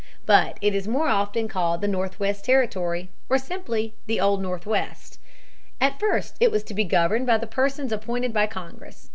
But it is more often called the Northwest Territory or simply the Old Northwest. At first it was to be governed by the persons appointed by Congress.